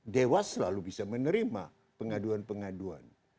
dewas selalu bisa menerima pengaduan pengaduan